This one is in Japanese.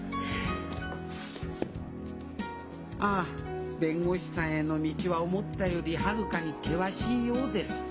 ああ弁護士さんへの道は思ったよりはるかに険しいようです。